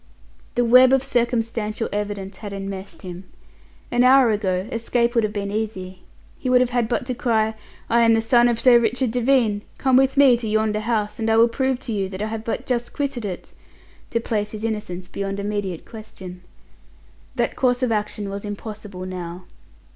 The web of circumstantial evidence had enmeshed him. An hour ago escape would have been easy. He would have had but to cry, "I am the son of Sir Richard Devine. Come with me to yonder house, and I will prove to you that I have but just quitted it," to place his innocence beyond immediate question. That course of action was impossible now.